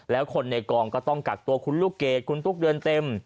แล้วคนในกองก็ต้องกักตัวคุณลูกเกดคุณตุ๊กเดือนเต็ม